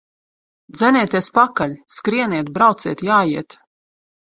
Dzenieties pakaļ! Skrieniet, brauciet, jājiet!